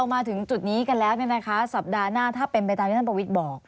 มาถึงจุดนี้กันแล้วสัปดาห์หน้าถ้าเป็นไปตามที่ท่านประวิทย์บอก